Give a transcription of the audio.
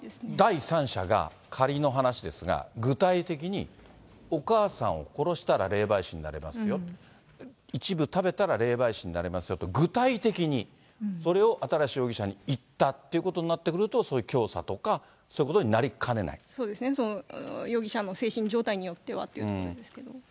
第三者が仮の話ですが、具体的にお母さんを殺したら、霊媒師になれますよ、一部食べたら霊媒師になれますよと具体的に、それを新容疑者に言ったってなってくると、そういう教唆とかそういうことになりかねそうですね、その容疑者の精神状態によってはってところなんですけど。